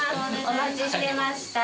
お待ちしてました。